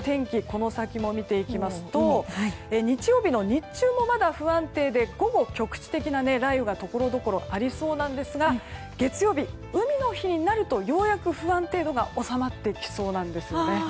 この先も見ていきますと日曜日の日中もまだ不安定で午後、局地的な雷雨がところどころありそうですが月曜日の海の日になるとようやく不安定度が収まってきそうなんですよね。